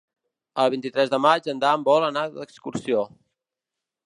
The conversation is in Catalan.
El vint-i-tres de maig en Dan vol anar d'excursió.